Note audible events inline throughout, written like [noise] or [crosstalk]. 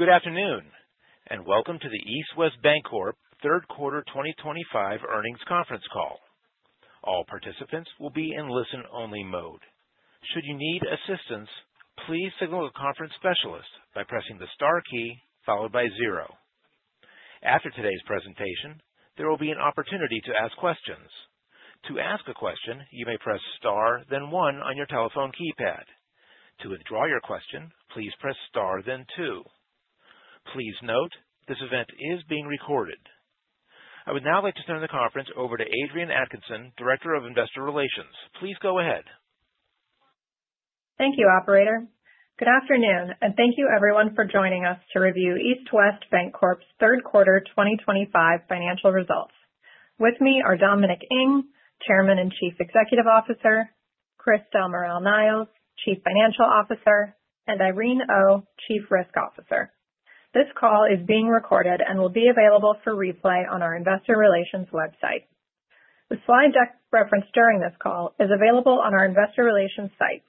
Good afternoon and welcome to the East West Bancorp Third Quarter 2025 Earnings Conference Call. All participants will be in listen only mode. Should you need assistance, please signal a conference specialist by pressing the star key followed by zero. After today's presentation, there will be an opportunity to ask questions. To ask a question, you may press star then one on your telephone keypad. To withdraw your question, please press star then two. Please note this event is being recorded. I would now like to turn the conference over to Adrienne Atkinson, Director of Investor Relations. Please go ahead. Thank you, Operator. Good afternoon and thank you everyone for joining us to review East West Bancorp's third quarter 2025 financial results. With me are Dominic Ng, Chairman and Chief Executive Officer, Chris Del Moral-Niles, Chief Financial Officer, and Irene Oh, Chief Risk Officer. This call is being recorded and will be available for replay on our Investor Relations website. The slide deck referenced during this call is available on our Investor Relations site.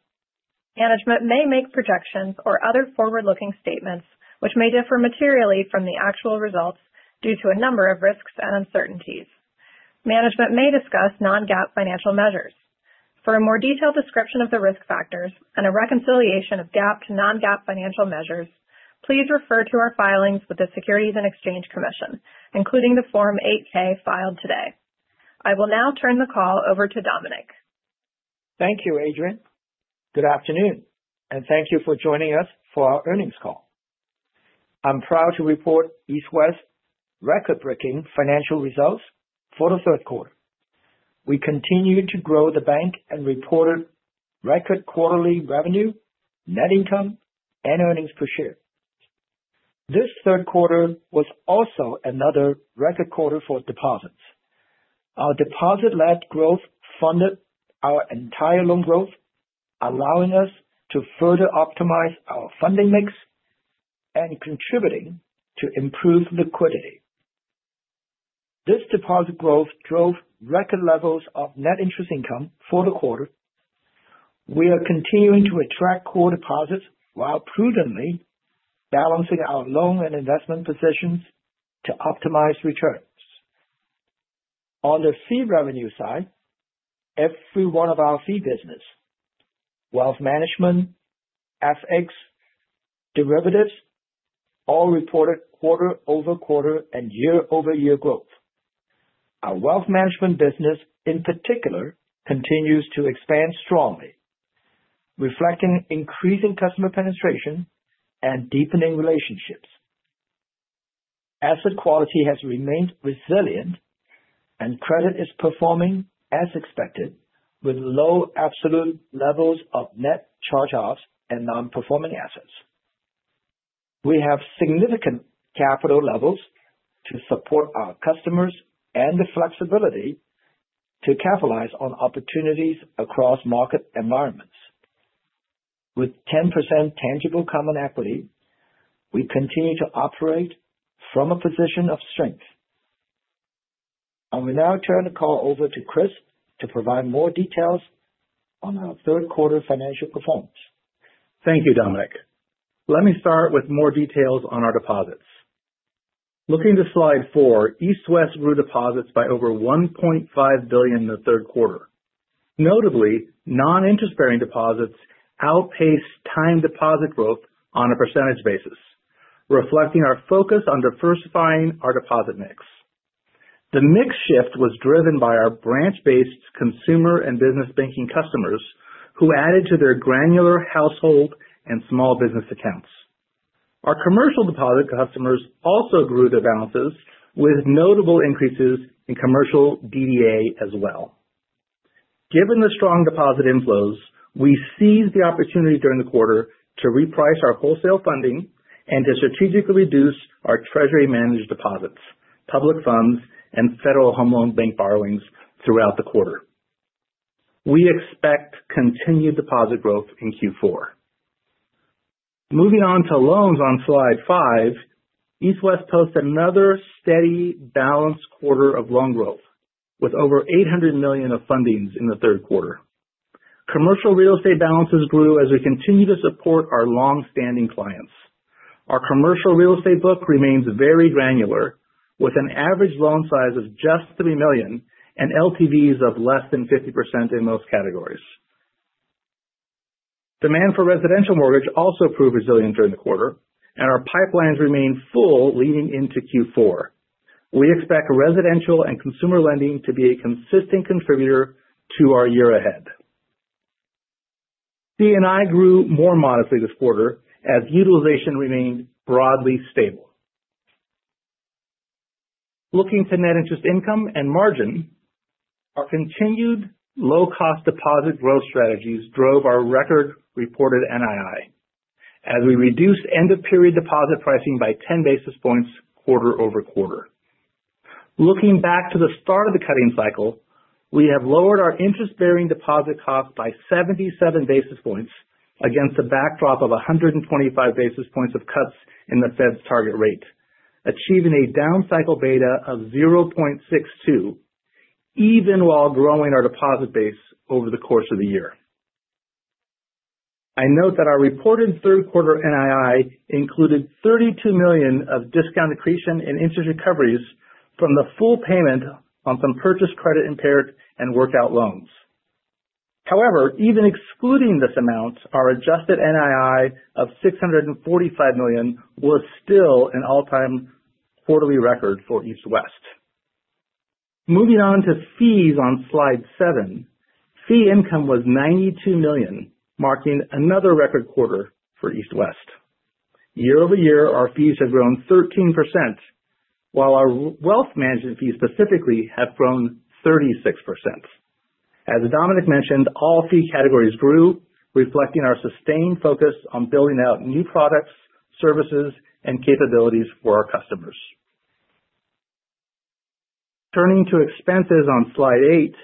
Management may make projections or other forward-looking statements which may differ materially from the actual results due to a number of risks and uncertainties. Management may discuss non-GAAP financial measures. For a more detailed description of the risk factors and a reconciliation of GAAP to non-GAAP financial measures, please refer to our filings with the Securities and Exchange Commission including the Form 8-K filed today. I will now turn the call over to Dominic. Thank you, Adrienne. Good afternoon, and thank you for joining us for our earnings call. I'm proud to report East West record-breaking financial results for the third quarter. We continued to grow the bank and reported record quarterly revenue, net income, and earnings per share. This third quarter was also another record quarter for deposits. Our deposit-led growth funded our entire loan growth, allowing us to further optimize our funding mix and contributing to improved liquidity. This deposit growth drove record levels of net interest income for the quarter. We are continuing to attract core deposits while prudently balancing our loan and investment positions to optimize returns. On the fee revenue side, every one of our fee business, wealth management, FX derivatives, all reported quarter-over-quarter and year-over-year growth. Our wealth management business in particular continues to expand strongly reflecting increasing customer penetration and deepening relationships. Asset quality has remained resilient and credit is performing as expected with low absolute levels of net charge-offs and non-performing assets. We have significant capital levels to support our customers and the flexibility to capitalize on opportunities across market environments. With 10% tangible common equity, we continue to operate from a position of strength. I will now turn the call over to Chris to provide more details on our third quarter financial performance. Thank you, Dominic. Let me start with more details on our deposits, looking to slide four. East West grew deposits by over $1.5 billion in the third quarter. Notably, non-interest-bearing deposits outpaced time deposit growth on a percentage basis, reflecting our focus on diversifying our deposit mix. The mix shift was driven by our branch-based consumer and business banking customers who added to their granular household and small business accounts. Our commercial deposit customers also grew their balances with notable increases in commercial DDA as well. Given the strong deposit inflows, we seized the opportunity during the quarter to reprice our wholesale funding and to strategically reduce our Treasury-managed deposits, public funds, and Federal Home Loan Bank borrowings throughout the quarter. We expect continued deposit growth in Q4. Moving on to loans on slide five, East West posts another steady balanced quarter of loan growth with over $800 million of fundings in the third quarter. Commercial real estate balances grew as we continue to support our long standing clients. Our commercial real estate book remains very granular with an average loan size of just $3 million and LTVs of less than 50% in most categories. Demand for residential mortgage also proved resilient during the quarter and our pipelines remain full leading into Q4. We expect residential and consumer lending to be a consistent contributor to our year ahead. C&I grew more modestly this quarter as utilization remained broadly stable. Looking to net interest income and margin, our continued low cost deposit growth strategies drove our record reported NII as we reduced end of period deposit pricing by 10 basis points quarter-over-quarter. Looking back to the start of the cutting cycle, we have lowered our interest bearing deposit cost by 77 basis points against a backdrop of 125 basis points of cuts in the Fed's target rate, achieving a down cycle beta of 0.62 even while growing our deposit base over the course of the year. I note that our reported third quarter NII included $32 million of discount, accretion, and interest recoveries from the full payment on some purchase credit-impaired and workout loans. However, even excluding this amount, our adjusted NII of $645 million was still an all-time quarterly record for East West. Moving on to fees on slide seven, fee income was $92 million, marking another record quarter for East West. Year-over-year our fees have grown 13% while our wealth management fees specifically have grown 36%. As Dominic mentioned, all fee categories grew, reflecting our sustained focus on building out new products, services, and capabilities for our customers. Turning to expenses on slide eight,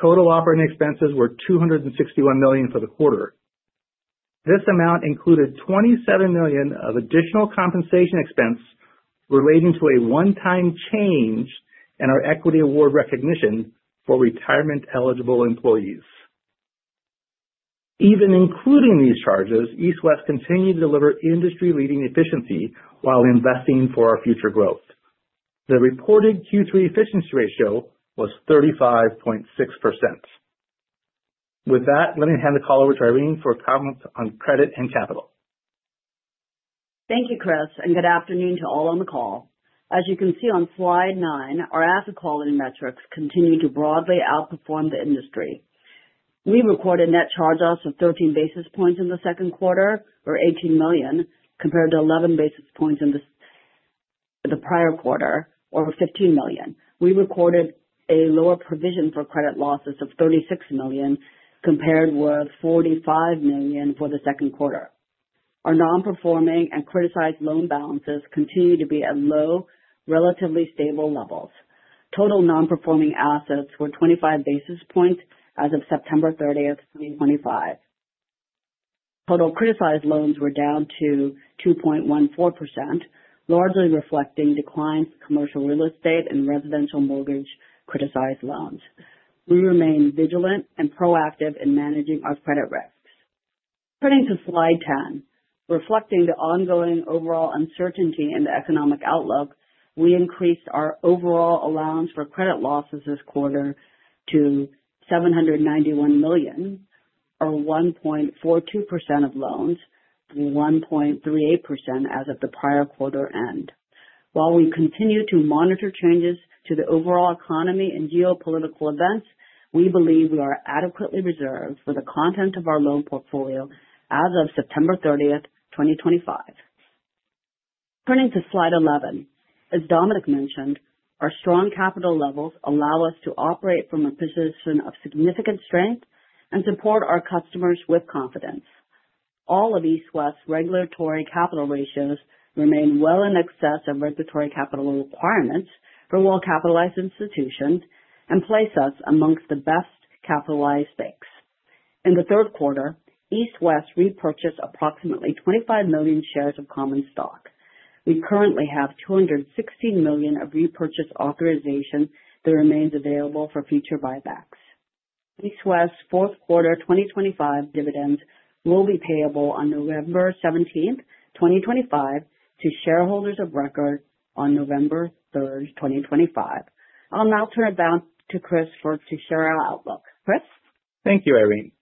total operating expenses were $261 million for the quarter. This amount included $27 million of additional compensation expense relating to a one-time change in our equity award recognition for retirement-eligible employees. Even including these charges, East West continued to deliver industry-leading efficiency while investing for our future growth. The reported Q3 efficiency ratio was 35.6%. With that, let me hand the call over to Irene for comments on credit and capital. Thank you, Chris, and good afternoon to all on the call. As you can see on slide nine, our asset quality metrics continue to broadly outperform the industry. We recorded net charge-offs of 13 basis points in the second quarter, or $18 million, compared to 11 basis points in the prior quarter, over $15 million. We recorded a lower provision for credit losses of $36 million compared with $45 million for the second quarter. Our non-performing and criticized loan balances continue to be at low, relatively stable levels. Total non-performing assets were 25 basis points as of September 30th, 2025. Total criticized loans were down to 2.14%, largely reflecting declines in commercial real estate and residential mortgage criticized loans. We remain vigilant and proactive in managing our credit risks. Turning to slide 10 reflecting the ongoing overall uncertainty in the economic outlook, we increased our overall allowance for credit losses this quarter to $791 million or 1.42% of loans, 1.38% as of the prior quarter end. While we continue to monitor changes to the overall economy and geopolitical events, we believe we are adequately reserved for the content of our loan portfolio as of September 30th, 2025. Turning to slide 11 as Dominic mentioned, our strong capital levels allow us to operate from a position of significant strength and support our customers with confidence. All of East West's regulatory capital ratios remain well in excess of regulatory capital requirements for well-capitalized institutions and place us among the best capitalized banks. In the third quarter, East West repurchased approximately 25 million shares of common stock. We currently have $216 million of repurchase authorization that remains available for future buybacks. East West's fourth quarter 2025 dividends will be payable on November 17th, 2025 to shareholders of record on November 3rd, 2025. I'll now turn it back to Chris to share our outlook. Chris. Thank you, Irene.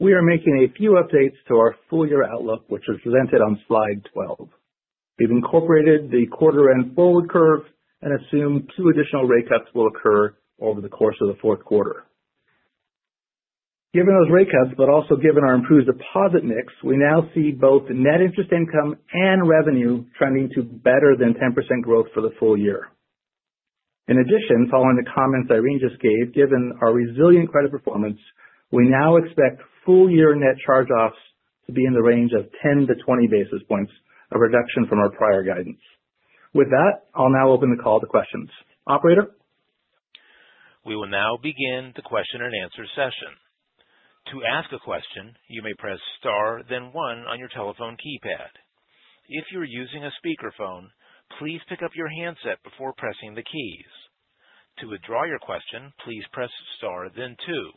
We are making a few updates to our full-year outlook which was presented on slide 12. We've incorporated the quarter-end forward curve and assume two additional rate cuts will occur over the course of the fourth quarter. Given those rate cuts, but also given our improved deposit mix, we now see both net interest income and revenue trending to better than 10% growth for the full year. In addition, following the comments Irene just gave, given our resilient credit performance, we now expect full year net charge-offs to be in the range of 10-20 basis points, a reduction from our prior guidance. With that, I'll now open the call to questions. Operator. We will now begin the question-and-answer session. To ask a question, you may press star then one on your telephone keypad. If you're using a speakerphone, please pick up your handset before pressing the keys. To withdraw your question, please press star then two.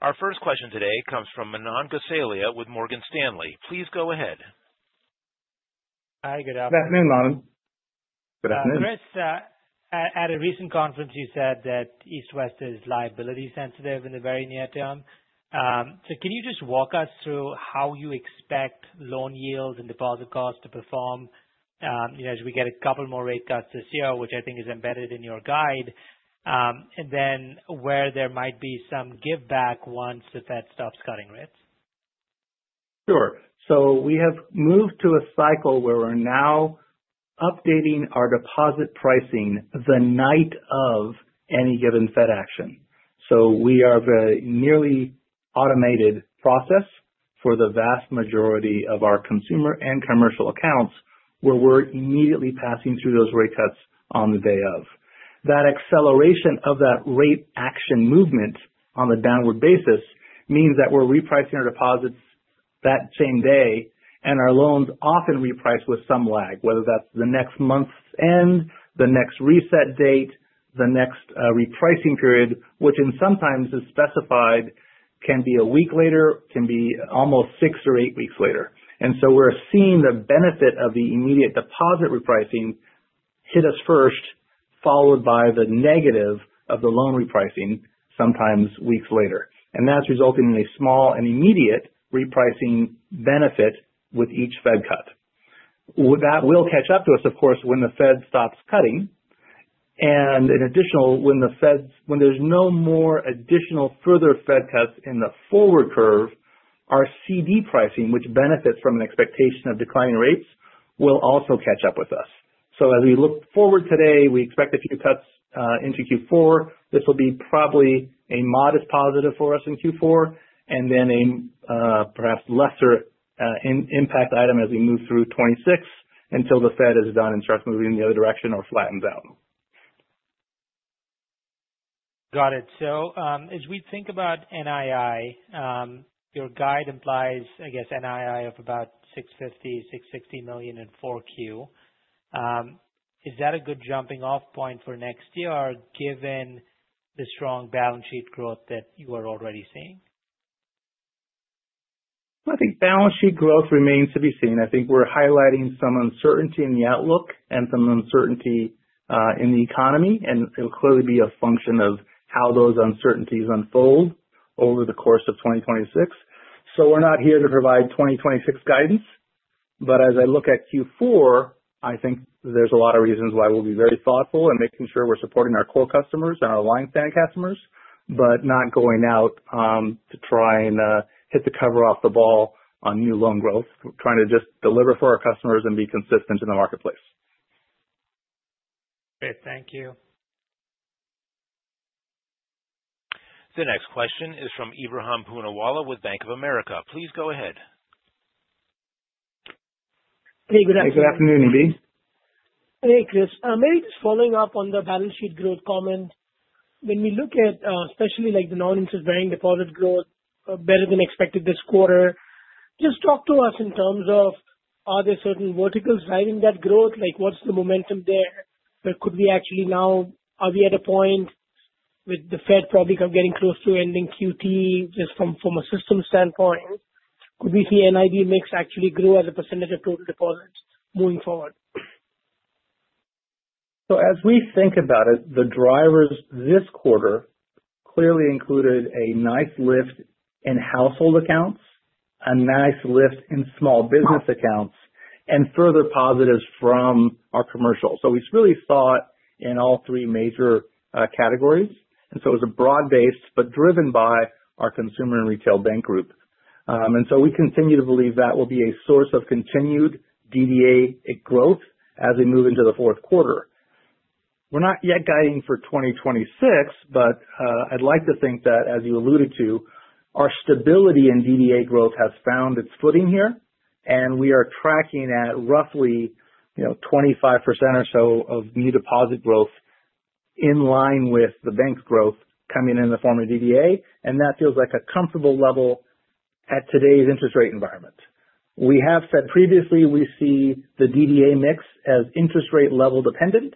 Our first question today comes from Manan Gosalia with Morgan Stanley. Please go ahead. Good afternoon, Manan. Good afternoon, Chris. At a recent conference you said that East West is liability sensitive in the very near term. So can you just walk us through how you expect loan yields and deposit costs to perform as we get a couple more rate cuts this year, which I think is embedded in your guide and then where there might be some give back once the Fed stops cutting rates? Sure. So we have moved to a cycle where we're now updating our deposit pricing the night of any given Fed action. So we are very nearly automated process for the vast majority of our consumer and commercial accounts where we're immediately passing through those rate cuts on the day of that acceleration of that rate action. Movement on the downward basis means that we're repricing our deposits that same day. Our loans often reprice with some lag, whether that's the next month's end, the next reset date, the next repricing period, which sometimes is specified, can be a week later, can be almost six or eight weeks later. And so we're seeing the benefit of the immediate deposit repricing hit us first, followed by the negative of the loan repricing sometimes weeks later. And that's resulting in a small and immediate repricing benefit with each Fed cut. That will catch up to us of course when the Fed stops cutting and in addition when the Fed, when there's no more additional further Fed cuts in the forward curve. Our CD pricing, which benefits from an expectation of declining rates, will also catch up with us. So as we look forward today, we expect a few cuts into Q4. This will be probably a modest positive for us in Q4 and then a perhaps lesser impact item as we move through 2026 until the Fed is done and starts moving in the other direction or flattens out. Got it. So as we think about NII, your guide implies, I guess NII of about $650 million,$660 million in 4Q. Is that a good jumping off point for next year given the strong balance sheet growth that you are already seeing? I think balance sheet growth remains to be seen. I think we're highlighting some uncertainty in the outlook and some uncertainty in the economy and it will clearly be a function of how those uncertainties unfold over the course of 2026, so we're not here to provide 2026 guidance, but as I look at Q4, I think there's a lot of reasons why we'll be very thoughtful in making sure we're supporting our core customers and our long-standing customers, but not going out to try and hit the cover off the ball on new loan growth, trying to just deliver for our customers and be consistent in the marketplace. Great, thank you. The next question is from Ebrahim Poonawala with Bank of America. Please go ahead. Good afternoon, Ebrahim. Hey, Chris, maybe just following up on the balance sheet growth comment. When we look at especially like the non-interest-bearing deposit growth better than expected this quarter, just talk to us in terms of are there certain verticals driving that growth? Like, what's the momentum there? But could we actually now are we at a point with the Fed probably getting close to ending Q3 just from a system standpoint, could we see NIB mix actually grow as a percentage of total deposits moving forward? So as we think about it, the drivers this quarter clearly included a nice lift in household accounts, a nice lift in small business accounts and further positives from commercial. So we really saw it in all three major categories. And so it was a broad base but driven by our consumer and retail bank group. And so we continue to believe that will be a source of continued DDA growth as we move into the fourth quarter. We're not yet guiding for 2026, but I'd like to think that as you alluded to, our stability in DDA growth has found its footing here and we are tracking at roughly 25% or so of new deposit growth in line with the bank's growth coming in the form of DDA. And that feels like a comfortable level at today's interest rate environment. We have said previously we see the DDA mix as interest rate level dependent,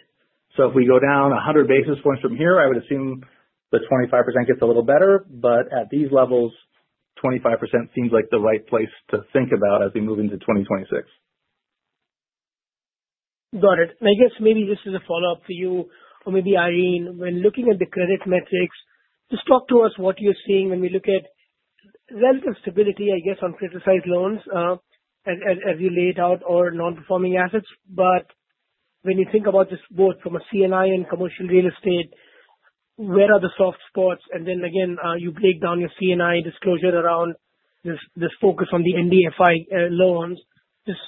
so if we go down 100 basis points from here, I would assume the 25% gets a little better, but at these levels, 25% seems like the right place to think about as we move into 2026. Got it. And I guess maybe just as a follow-up for you or maybe Irene, when looking at the credit metrics, just talk to us what you're seeing when we look at relative stability, I guess, on criticized loans as you laid out or non-performing assets. But when you think about this both from a C&I and commercial real estate, where are the soft spots? And then again you break down your C&I disclosure around this focus on the NDFI loans, just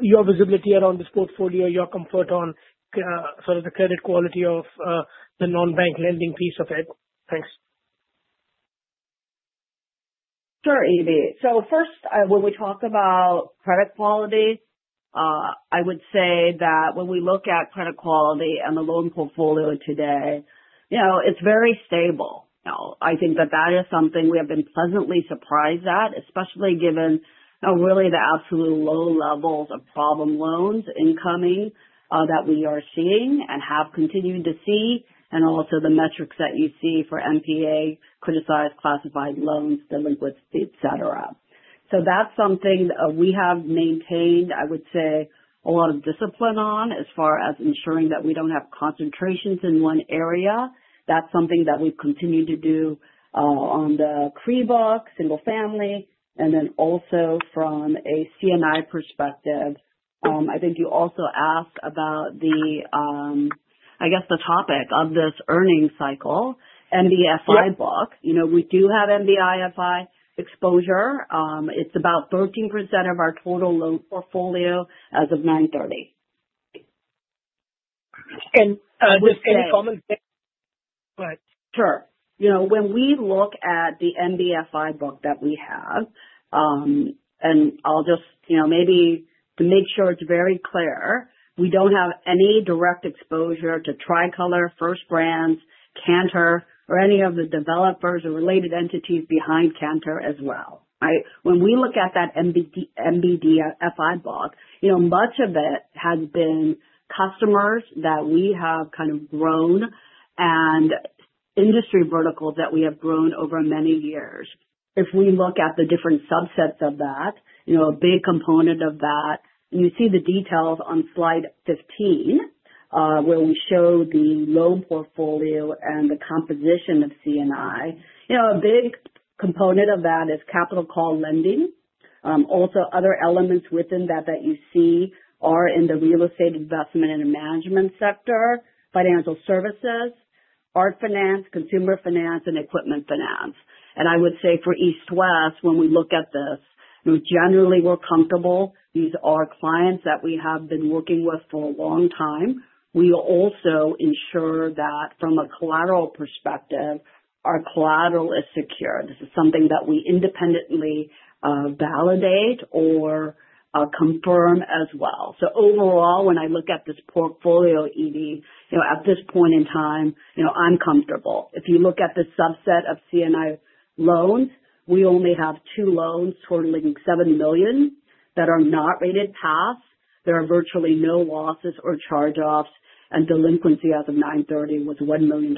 your visibility around this portfolio, your comfort on sort of the credit quality of the non-bank lending piece of it. Thanks. Sure. EB, so first, when we talk about credit quality, I would say that when we look at credit quality and the loan portfolio today, it's very stable. I think that that is something we have been pleasantly surprised at, especially given really the absolute low levels of problem loans incoming that we are seeing and have continued to see. And also the metrics that you see for NPA criticized classified loans, delinquency, et cetera, so that's something we have maintained, I would say a lot of discipline on as far as ensuring that we don't have concentrations in one area. That's something that we continue to do. On the CRE book single family and then also from a C&I perspective, I think you also asked about the, I guess, the topic of this earnings cycle NDFI book. You know we do have NDFI exposure. It's about 13% of our total loan portfolio as of 9/30. Any [audio distortion] Sure, you know, when we look at the NDFI book that we have and I'll just, you know, maybe to make sure it's very clear we don't have any direct exposure to Tricolor, First Brands, Cantor or any of the developers or related entities behind Cantor as well. Right. When we look at that NDFI block, you know, much of it has been customers that we have kind of grown and industry verticals that we have grown over many years. If we look at the different subsets of that, you know, a big component of that, you see the details on slide 15 where we show the loan portfolio and the composition of C&I. You know, a big component of that is capital call lending. Also other elements within that that you see also are in the real estate, investment and management sector, financial services, art finance, consumer finance and equipment finance. And I would say for East West, when we look at this generally we're comfortable. These are clients that we have been working with for a long time. We also ensure that from a collateral perspective our collateral is secure. This is something that we independently validate or confirm as well. So overall when I look at this portfolio, EB, at this point in time I'm comfortable. If you look at the subset of C&I loans, we only have two loans totaling $7 million that are not rated pass. There are virtually no losses or charge-offs and delinquency as of 9/30 was $1 million.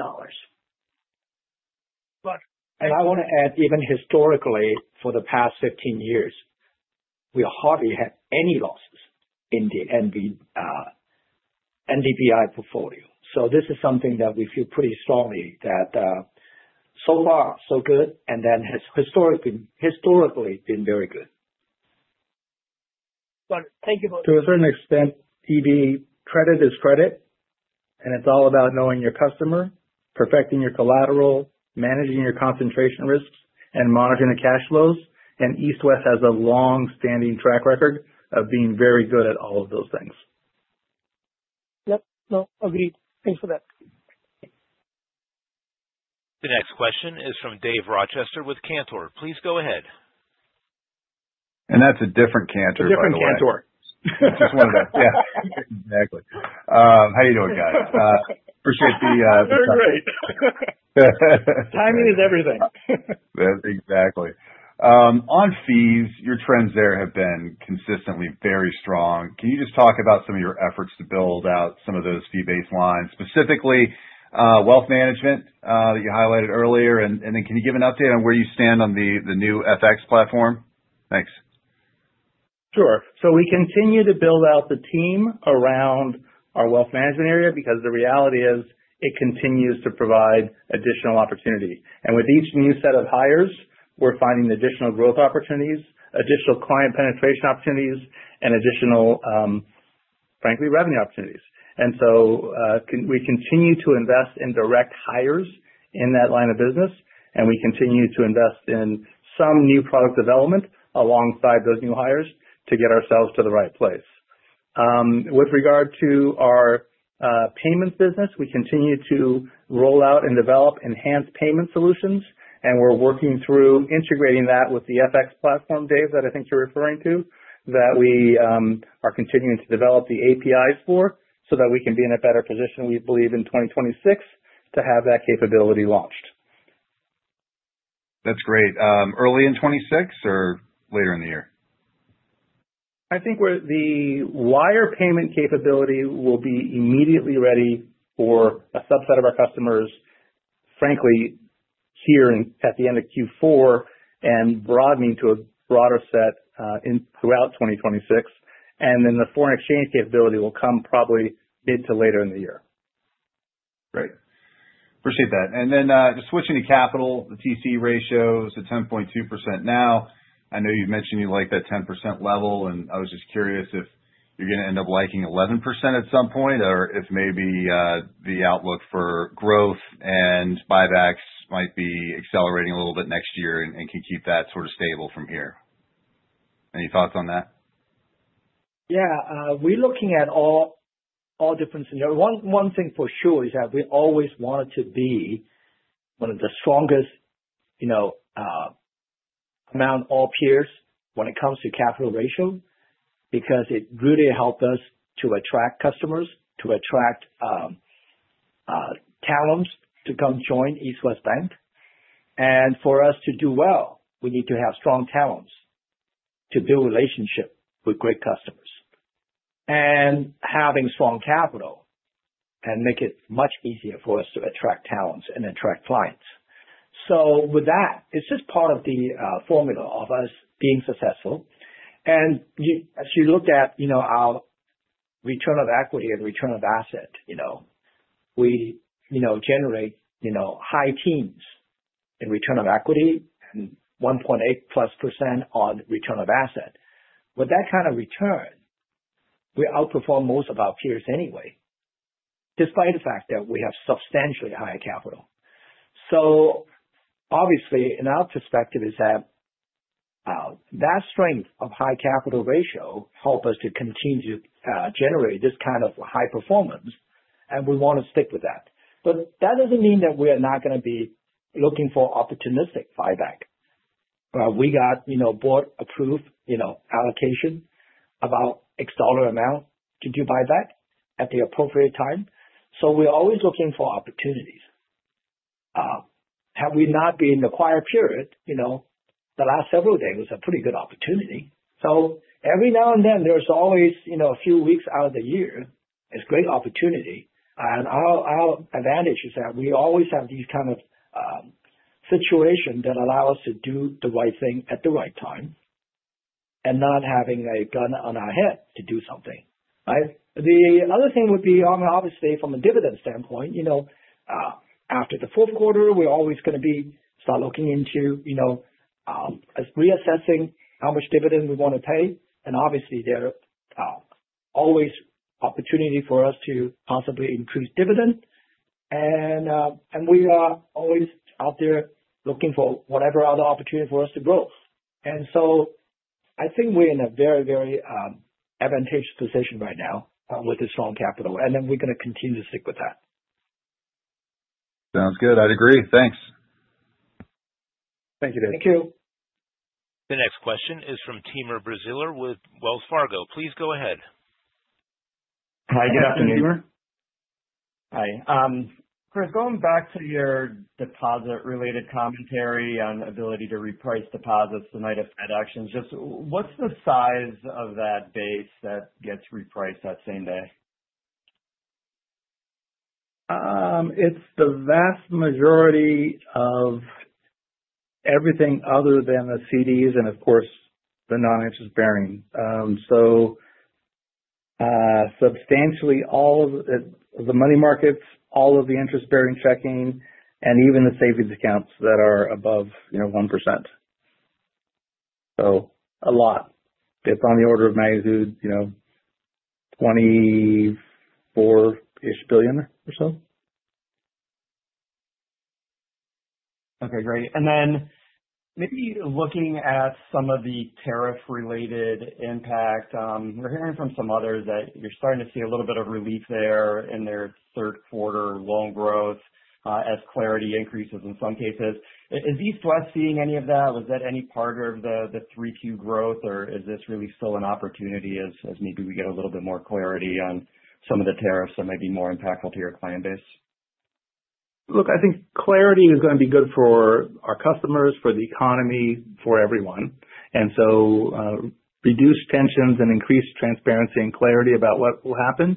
And I want to add, even historically, for the past 15 years, we hardly had any losses in the. NDFI portfolio, so this is something that we feel pretty strongly that so far, so good and then has historically been very good. To a certain extent. EB, Credit is credit and it's all about knowing your customer, perfecting your collateral, managing your concentration risks and monitoring the cash flows, and East West has a long-standing track record of being very good at all of those things. Yep, no, agreed. Thanks for that. The next question is from Dave Rochester with Cantor. Please go ahead. And that's a different Cantor. Different Cantor. Just one of them. Yeah, exactly. How you doing, guys? Appreciate the. Timing is everything. Exactly on fees? Your trends there have been consistently very strong. Can you just talk about some of your efforts to build out some of those fee baselines, specifically wealth management that you highlighted earlier, and then can you give an update on where you stand on the new FX platform? Thanks. Sure, so we continue to build out the team around our wealth management area because the reality is it continues to provide additional opportunity, and with each new set of hires we're finding additional growth opportunities, additional client penetration opportunities, and additional, frankly, revenue opportunities, and so we continue to invest in direct hires in that line of business, and we continue to invest in some new product development alongside those new hires to get ourselves to the right place with regard to our payments business. We continue to roll out and develop enhanced payment solutions and we're working through integrating that with the FX platform. Dave, that I think you're referring to that we are continuing to develop the APIs for so that we can be in a better position. We believe in 2026 to have that capability launched. That's great. Early in 2026 or later in the year, I think the wire payment capability will be immediately ready for a subset of our customers. Frankly, here at the end of Q4 and broadening to a broader set throughout 2026, and then the foreign exchange capability will come probably mid to later in the year. Great. Appreciate that. And then, just switching to capital, the TCE ratio is at 10.2%. Now I know you mentioned you like that 10% level, and I was just curious if you're going to end up liking 11% at some point or if maybe the outlook for growth and buybacks might be accelerating a little bit next year and can keep that sort of stable from here. Any thoughts on that? Yes, we're looking at all different scenarios. One thing for sure is that we always wanted to be one of the strongest. Among all peers when it comes to capital ratio because it really helped us to attract customers. Talents. To come join East West Bank. And for us to do well, we need to have strong talents to build relationship with great customers. And having strong capital can make it much easier for us to attract talents and attract clients. So with that, it's just part of the formula of us being successful. And as you look at our return on equity and return on asset, we generate, you know, high teens in return on equity and 1.8% plus on return on asset. With that kind of return, we outperform most of our peers anyway, despite the fact that we have substantially higher capital. So obviously in our perspective is that that strength of high capital ratio help us to continue to generate this kind of high performance and we want to stick with that. But that doesn't mean that we are not going to be looking for opportunistic buyback. We got Board-approved allocation, about X dollar amount. Could you buyback at the appropriate time? So we're always looking for opportunities. Have we not been acquired, period. The last several days was a pretty good opportunity, so every now and then there's always a few weeks out of the year. It's great opportunity and our advantage is that we always have these kind of situation that allow us to do the right thing at the right time and not having a gun on our head to do something right. The other thing would be obviously from a dividend standpoint, after the fourth quarter we're always going to be start looking into. Reassessing how much dividend we want to pay. And obviously there are always opportunity for us to possibly increase dividend, and we are always out there looking for whatever other opportunity for us to grow. And so I think we're in a very, very advantageous position right now with a strong capital, and then we're going to continue to stick with that. Sounds good, I'd agree. Thanks. Thank you, Dave. Thank you. The next question is from Timur Braziler with Wells Fargo. Please go ahead. Hi, good afternoon. Hi Chris. Going back to your deposit-related commentary on ability to reprice deposits the night of Fed actions, just what's the size of that base that gets repriced that same day? It's the vast majority of. Everything other than the CDs, and of course, the non-interest-bearing, so. Substantially all the money markets, all of the interest-bearing checking and even the savings accounts that are above, you know, 1%. So a lot, it's on the order of magnitude, you know, $24ish billion. So. Okay, great. And then maybe looking at some of the tariff related impact, we're hearing from some others that you're starting to see a little bit of relief there in their third quarter loan growth as clarity increases in some cases. Is East West seeing any of that? Was that any part of the 3Q growth or is this really still an opportunity as maybe we get a little bit more clarity on some of the tariffs that may be more impactful to your client base? Look, I think clarity is going to be good for our customers, for the economy, for everyone. And so reduced tensions and increased transparency and clarity about what will happen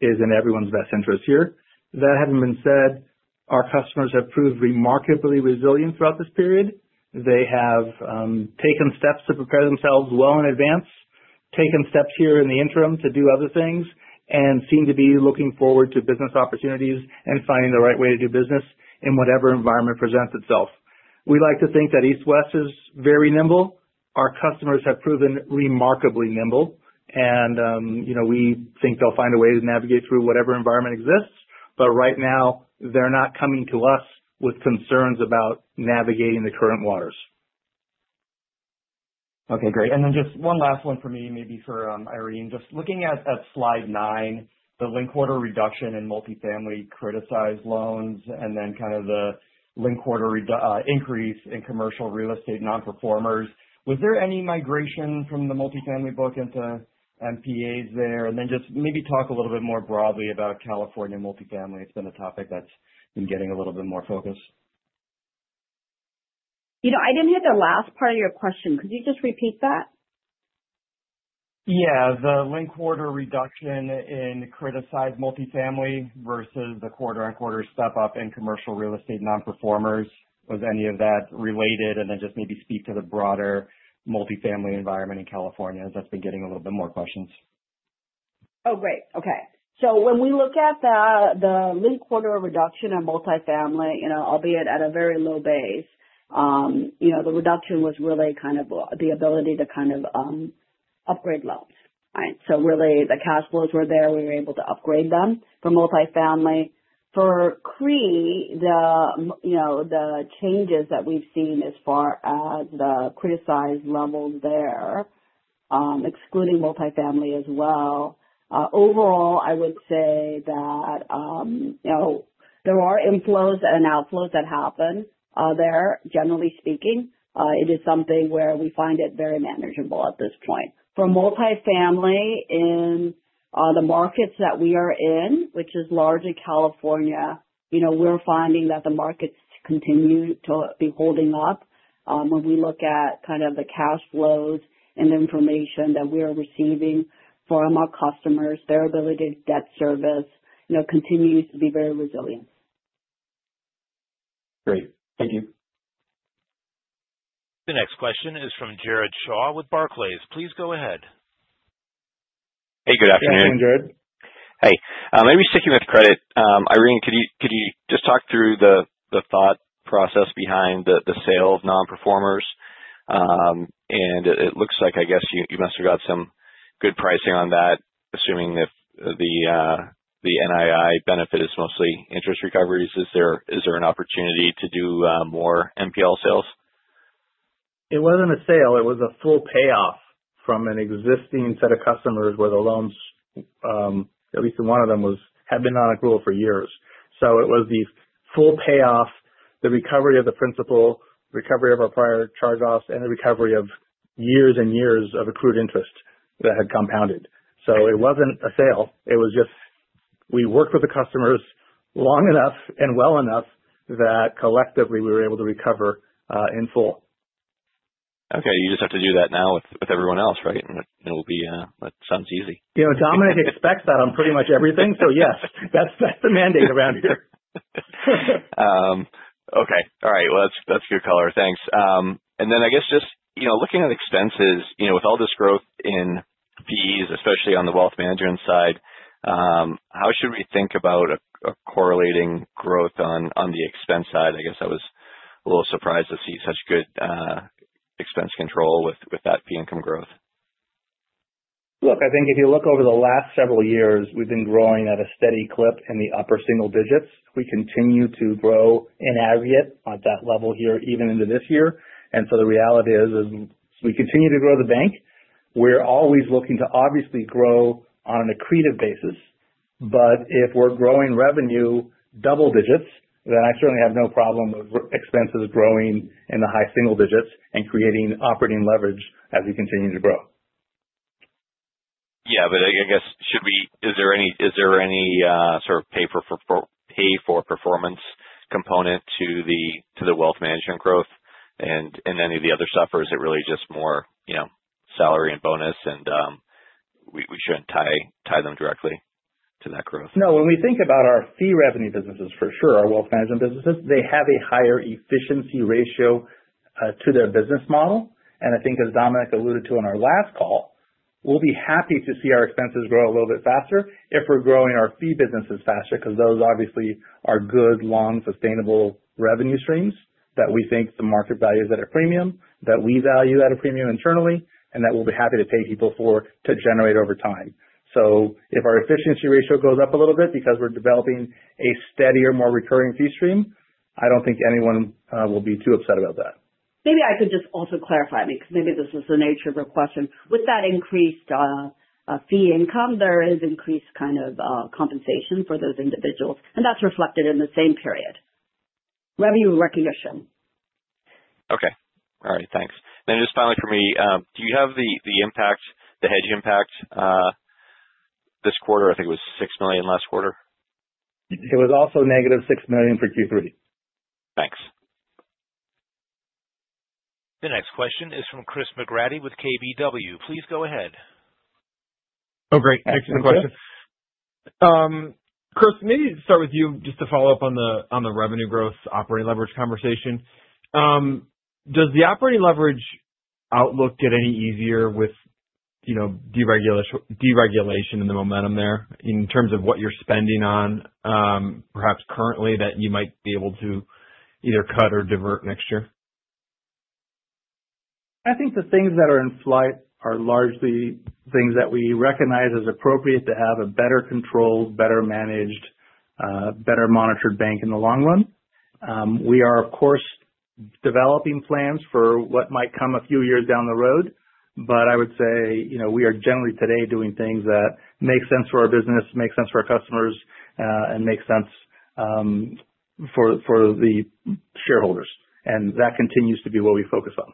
is in everyone's best interest here. That having been said, our customers have proved remarkably resilient throughout this period. They have taken steps to prepare themselves well in advance, taken steps here in the interim to do other things and seem to be looking forward to business opportunities and finding the right way to do business in whatever environment presents itself. We like to think that East West is very nimble. Our customers have proven remarkably nimble and we think they'll find a way to navigate through whatever environment exists. But right now they're not coming to us with concerns about navigating the current waters. Okay, great. And then just one last one for me, maybe for Irene. Just looking at Slide 9, the linked quarter reduction in multifamily criticized loans and then kind of the linked quarter increase in commercial real estate nonperformers. Was there any migration from the multifamily book into NPAs there? And then just maybe talk a little bit more broadly about California multifamily. It's been a topic that's been getting a little bit more focus. I didn't hear the last part of your question. Could you just repeat that? Yeah, the linked-quarter reduction in criticized multifamily versus the quarter-on-quarter step-up in commercial real estate non-performers. Was any of that related? And then just maybe speak to the broader multifamily environment in California as that's been getting a little bit more questions. Oh great. Okay. So when we look at the linked quarter reduction in multifamily, you know, albeit at a very low base, you know, the reduction was really kind of the ability to kind of upgrade loans. Right. So really the cash flows were there. We were able to upgrade them for multifamily, for CRE. You know, the changes that we've seen as far as the criticized level there, excluding multifamily as well. Overall, I would say that. There are inflows and outflows that happen there. Generally speaking, it is something where we find it very manageable at this point for multifamily in the markets that we are in, which is largely California. We're finding that the markets continue to be holding up. When we look at kind of the cash flows and the information that we are receiving from our customers, their ability to debt service continues to be very resilient. Great, thank you. The next question is from Jared Shaw with Barclays. Please go ahead. Hey, good afternoon. Hey, maybe sticking with credit. Irene, could you just talk through the thought process behind the sale of nonperformers and it looks like I guess you must have got some good pricing on that. Assuming if the NII benefit is mostly interest recoveries, is there an opportunity to do more NPL sales? It wasn't a sale. It was a full payoff from an existing set of customers where the loans, at least one of them, had been on accrual for years, so it was these full payoff, the recovery of the principal, recovery of our prior charge-offs, and the recovery of years and years of accrued interest that had compounded, so it wasn't a sale. It was just, we worked with the customers long enough and well enough that collectively we were able to recover in full. Okay, you just have to do that now with everyone else. Right. And that sounds easy. You know, Dominic expects that on pretty much everything. So yes, that's the mandate around here. Okay. All right, well that's good color. Thanks. And then I guess just looking at expenses with all this growth in fees, especially on the wealth management side, how should we think about correlating growth on the expense side? I guess I was a little surprised to see such good expense control with that fee income growth. Look, I think if you look over the last several years we've been growing at a steady clip in the upper single digits. We continue to grow in aggregate at that level here even into this year. And so the reality is we continue to grow the bank. We're always looking to obviously grow on an accretive basis. But if we're growing revenue double digits, then I certainly have no problem with expenses growing in the high single digits and creating operating leverage as we continue to grow. Yeah, but I guess should we? Is there any sort of pay-for-performance component to the wealth management growth and any of the other stuff or is it really just more salary and bonus? And we shouldn't tie them directly to that growth. No. When we think about our fee revenue businesses, for sure, our wealth management businesses, they have a higher efficiency ratio to their business model. And I think, as Dominic alluded to on our last call, we'll be happy to see our expenses grow a little bit faster if we're growing our fee businesses faster, because those obviously are good, long, sustainable revenue streams that we think the market values at a premium, that we value at a premium internally and that we'll be happy to pay people for to generate over time. So if our efficiency ratio goes up a little bit because we're developing a steadier, more recurring fee stream, I don't think anyone will be too upset about that. Maybe I could just also clarify because maybe this is the nature of your question. With that increased fee income, there is increased kind of compensation for those individuals and that's reflected in the same period revenue recognition. Okay. All right, thanks then. Just finally for me, do you have the impact, the hedge impact? This quarter? I think it was $6 million last quarter. It was also negative $6 million for Q3. Thanks. The next question is from Chris McGratty with KBW. Please go ahead. Oh, great. Thanks for the question. Chris, maybe start with you just to follow up on the revenue growth operating leverage conversation. Does the operating leverage outlook get any easier with? Deregulation and the momentum there in terms of what you're spending on perhaps currently that you might be able to either cut or divert next year? I think the things that are in flight are largely things that we recognize as appropriate to have a better controlled, better managed, better monitored bank in the long run. We are, of course, developing plans for what might come a few years down the road. But I would say we are generally today doing things that make sense for our business, make sense for our customers and make sense. For the shareholders. And that continues to be what we focus on.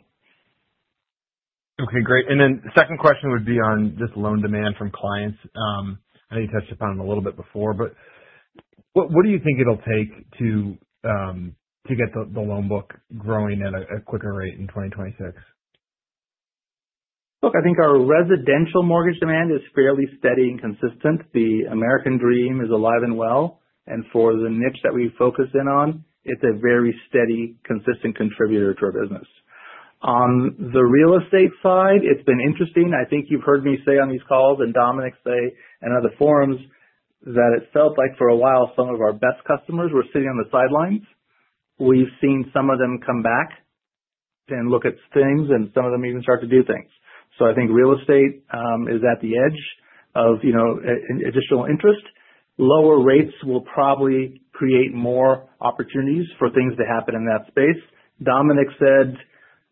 Okay, great. And then second question would be on this loan demand from clients. I know you touched upon it a little bit before, but what do you think it'll take to get the loan book growing at a quicker rate in 2026? Look, I think our residential mortgage demand is fairly steady and consistent. The American dream is alive and well, and for the niche that we focus in on, it's a very steady, consistent contributor to our business. On the real estate side, it's been interesting. I think you've heard me say on these calls and Dominic say and other forums that it felt like for a while some of our best customers were sitting on the sidelines. We've seen some of them come back and look at things and some of them even start to do things, so I think real estate is at the edge of additional interest. Lower rates will probably create more opportunities for things to happen in that space. Dominic said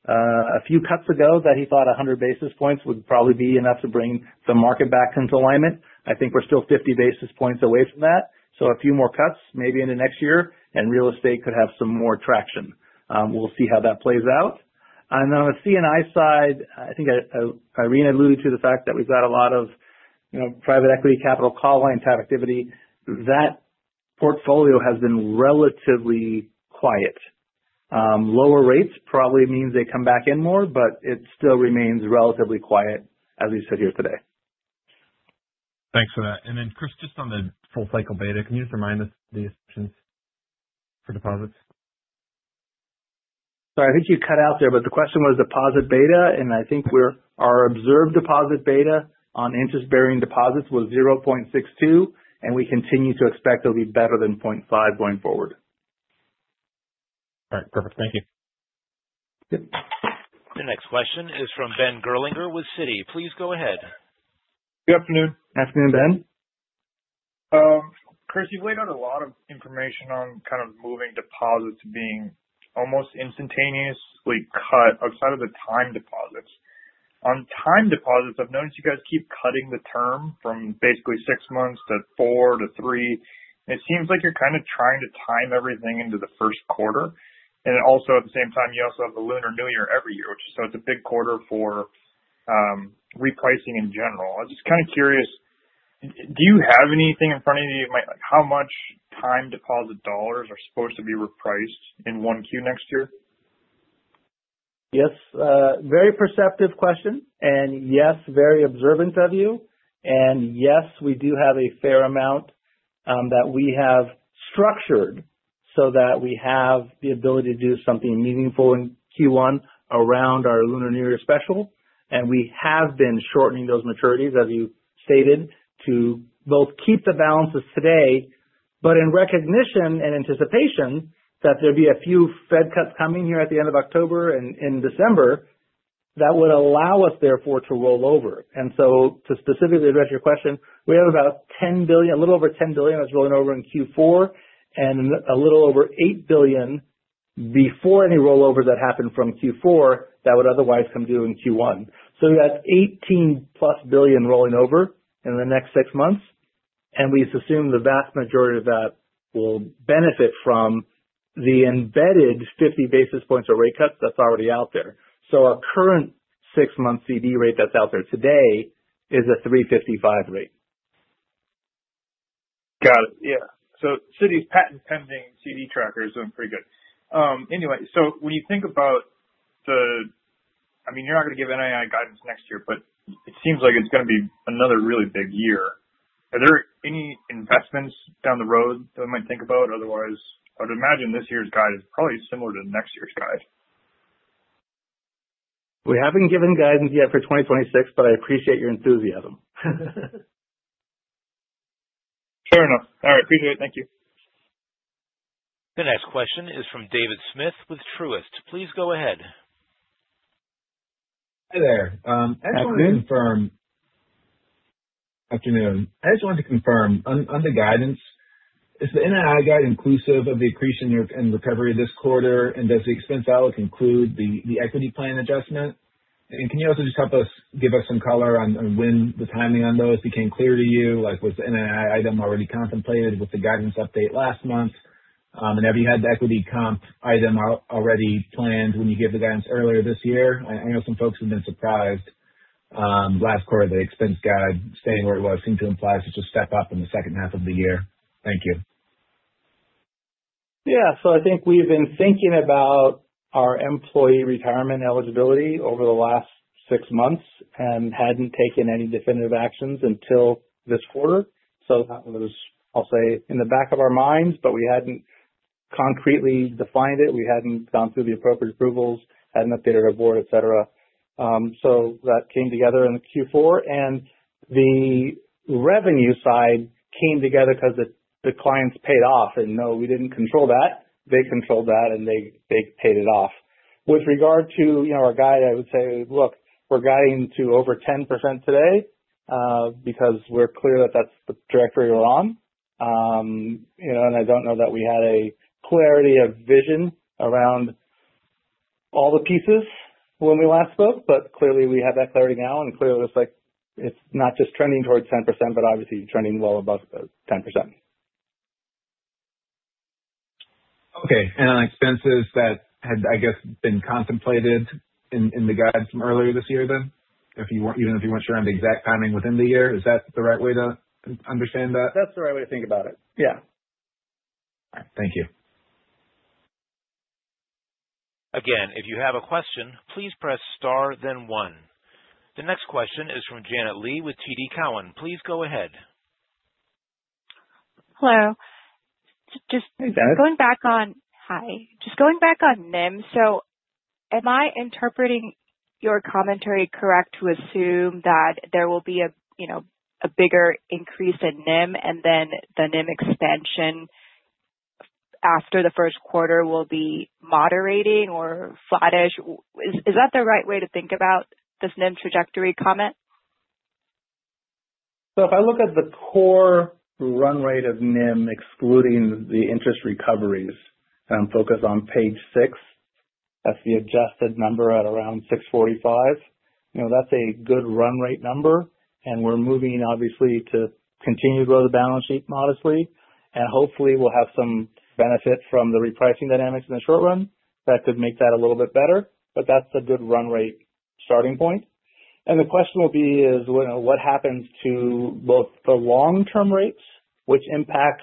a few cuts ago that he thought 100 basis points would probably be enough to bring the market back into alignment. I think we're still 50 basis points away from that. So a few more cuts maybe into next year and real estate could have some more traction. We'll see how that plays out. And on the C&I side, I think Irene alluded to the fact that we've got a lot of private equity capital call line type activity. That portfolio has been relatively quiet. Lower rates probably means they come back in more, but it still remains relatively quiet as we sit here today. Thanks for that. And then, Chris, just on the full cycle beta, can you just remind us the assumptions for deposits? Sorry, I think you cut out there, but the question was deposit beta, and I think our observed deposit beta on interest bearing deposits was 0.62 and we continue to expect it'll be better than 0.5 going forward. All right, perfect. Thank you. The next question is from Ben Gerlinger with Citi. Please go ahead. Good afternoon. Afternoon, Ben. Chris, you've laid out a lot of information on kind of moving deposits being almost instantaneously cut outside of the time deposits on time deposits. I've noticed you guys keep cutting the term from basically six months to four to three. It seems like you're kind of trying to time everything into the first quarter, and also at the same time you also have the Lunar New Year every year, so it's a big quarter for repricing in general. I'm just kind of curious. Do you have anything in front of you how much time deposit dollars are supposed to be repriced in 1Q next year? Yes, very perceptive question and yes, very observant of you. And yes, we do have a fair amount that we have structured so that we have the ability to do something meaningful in Q1 around our Lunar New Year special. And we have been shortening those maturities, as you stated, to both keep the balances today, but in recognition and anticipation that there'd be a few Fed cuts coming here at the end of October and December that would allow us therefore to roll over. And so to specifically address your question, we have about $10 billion, a little over $10 billion that was rolling over in Q4 and a little over $8 billion before any rollover that happened from Q4 to that would otherwise come due in Q1. So that's $18 billion rolling over in the next six months. And we assume the vast majority of that will benefit from the embedded 50 basis points of rate cuts that's already out there. So our current six month CD rate that's out there today is a 355 rate. Got it. Yeah. So Citi's patent pending CD tracker is doing pretty good anyway. So when you think about. I mean, you're not going to give NII guidance next year, but it seems like it's going to be another really big year. Are there any investments down the road that we might think about otherwise? I would imagine this year's guide is probably similar to next year's guide. We haven't given guidance yet for 2026, but I appreciate your enthusiasm. Fair enough. All right, appreciate it. Thank you. The next question is from David Smith with Truist. Please go ahead. Hi there. Afternoon. I just wanted to confirm on the guidance. Is the NII guide inclusive of the accretion and recovery this quarter and does the expense outlook include the equity plan adjustment? Can you also just help us give some color on when the timing on those became clear to you? Like was the NII item already contemplated with the guidance update last month and have you had the equity comp item already planned when you gave the guidance earlier this year? I know some folks have been surprised. Last quarter the expense guide staying where it was seemed to imply such a step up in the second half of the year. Thank you. Yeah, so I think we've been thinking about our employee retirement eligibility over the last six months and hadn't taken any definitive actions until this quarter. So it was, I'll say, in the back of our minds, but we hadn't concretely defined it, we hadn't gone through the appropriate approvals, hadn't updated our board, et cetera. So that came together in Q4 and the revenue side came together because the clients paid off, and no, we didn't control that. They controlled that and they paid it off. With regard to our guide, I would say, look, we're guiding to over 10% today because we're clear that that's the trajectory we're on, and I don't know that we had a clarity of vision around all the pieces when we last spoke, but clearly we have that clarity now. Clearly it's not just trending towards 10% but obviously trending well above 10%. Okay. And on expenses that had, I guess, been contemplated in the guide from earlier this year, then even if you weren't sure on the exact timing within the year, is that the right way to understand that? That's the right way to think about it. Yeah. Thank you. Again. If you have a question, please press star then one. The next question is from Janet Lee with TD Cowen. Please go ahead. Hello, just going back on. Hi, just going back on NIM. So am I interpreting your commentary correct to assume that there will be a, you know, a bigger increase in NIM and then the NIM expansion after the first quarter will be moderating or flattish? Is that the right way to think about this NIM trajectory? Comment. So if I look at the core run rate of NIM excluding the interest recoveries and focus on page six, that's the adjusted number at around 645. That's a good run rate number. And we're moving obviously to continue to grow the balance sheet modestly and hopefully we'll have some benefit from the repricing dynamics in the short run. That could make that a little bit better. But that's a good run rate starting point. And the question will be is what happens to both the long term rates which impact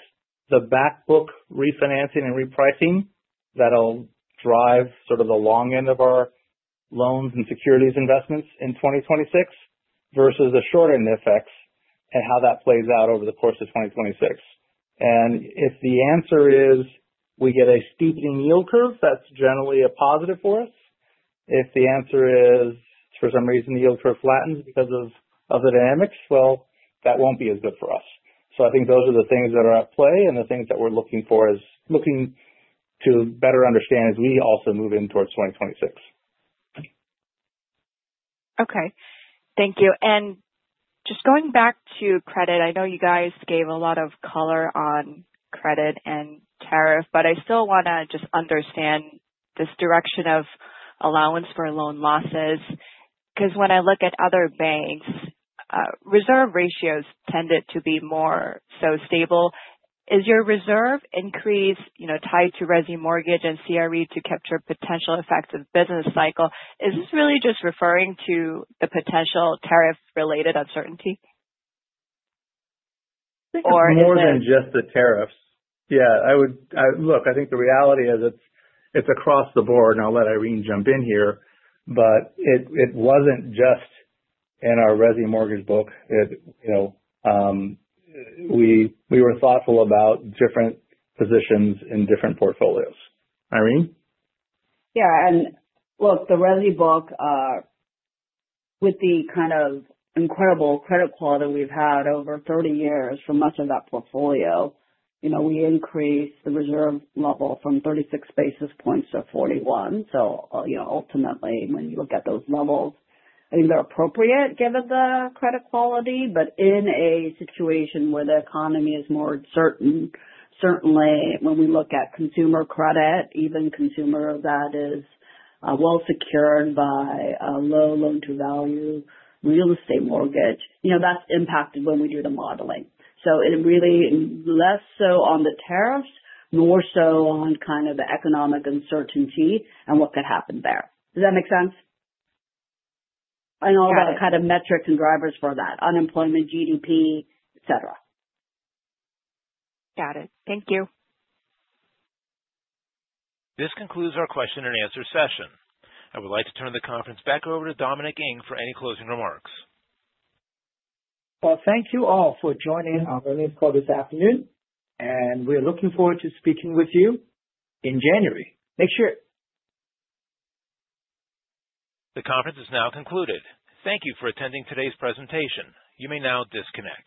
the back book refinancing and repricing that will drive sort of the long end of our loans and securities investments in 2026 versus the short end FX and how that plays out over the course of 2026. And if the answer is we get a steepening yield curve that's generally a positive for us, if the answer is for some reason the yield curve flattens because of the dynamics, well that won't be as good for us. So I think those are the things that are at play and the things that we're looking for is looking to better understand as we also move in towards 2026. Okay, thank you. And just going back to credit. I know you guys gave a lot of color on credit and tariff, but I still want to just understand this direction of allowance for loan losses because when I look at other banks, reserve ratios tended to be more so stable. Is your reserve increase tied to Resi mortgage and CRE to capture potential effects of business cycle? Is this really just referring to the potential tariff-related uncertainty? More than just the tariffs? Yeah, I would look, I think the reality is it's across the board and I'll let Irene jump in here, but it wasn't just in our Resi mortgage book. We were thoughtful about different positions in different portfolios. Irene. Yeah, and look, the Resi book. With the kind of incredible credit quality we've had over 30 years for much of that portfolio. You know, we increased the reserve level from 36 basis points to 41. So you know, ultimately when you look at those levels, I think they're appropriate given the credit quality. But in a situation where the economy is more certain, certainly when we look at consumer credit, even consumer that is well secured by a low loan-to-value real estate mortgage, you know, that's impacted when we do the modeling, so it really less so on the tariffs, more so on kind of the economic uncertainty and what could happen there. Does that make sense, and all the kind of metrics and drivers for that: unemployment, GDP, et cetera. Got it. Thank you. This concludes our question-and-answer session. I would like to turn the conference back over to Dominic Ng for any closing remarks. Thank you all for joining our earnings call this afternoon and we are looking forward to speaking with you in January next year. The conference is now concluded. Thank you for attending today's presentation. You may now disconnect.